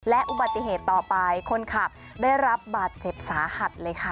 และอุบัติเหตุต่อไปคนขับได้รับบาดเจ็บสาหัสเลยค่ะ